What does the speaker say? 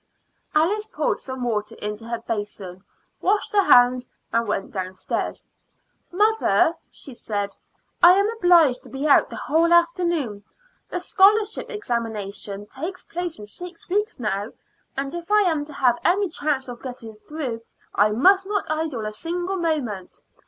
Alice poured some water into her basin, washed her hands, and went downstairs. "Mother," she said, "I am obliged to be out the whole afternoon. The scholarship examination takes place in six weeks now, and if I am to have any chance of getting through I must not idle a single moment.